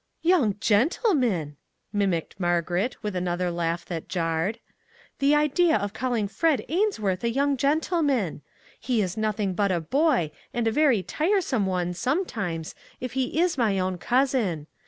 " Young gentlemen !" mimicked Margaret, with another laugh that jarred. " The idea of calling Fred Ainsworth a young gentleman! He is nothing but a boy, and a very tiresome one, sometimes, if he is my own cousin.